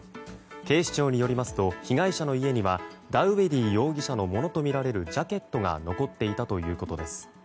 警視庁によりますと被害者の家にはダウエディ容疑者のものとみられるジャケットが残っていたということです。